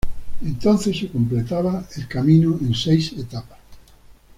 Entonces se completaba el camino en seis etapas.